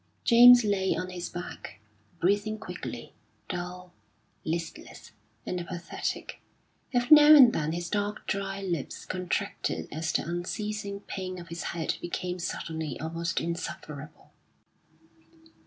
James lay on his back, breathing quickly, dull, listless, and apathetic. Every now and then his dark dry lips contracted as the unceasing pain of his head became suddenly almost insufferable.